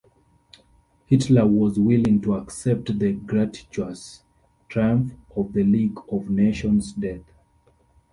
Hitler was willing to accept the gratuitous triumph of the League of Nation's death.